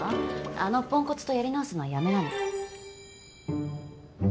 あのポンコツとやり直すのはやめなね。